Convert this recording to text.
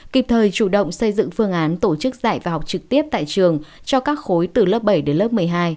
kịp thời chủ động xây dựng phương án tổ chức dạy và học trực tiếp tại trường cho các khối từ lớp bảy đến lớp một mươi hai